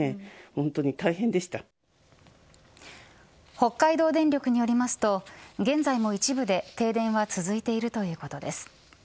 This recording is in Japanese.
北海道電力によりますと現在も一部で停電は続いているということです。